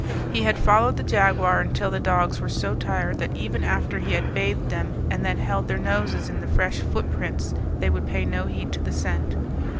He had followed the jaguar trail until the dogs were so tired that even after he had bathed them, and then held their noses in the fresh footprints, they would pay no heed to the scent.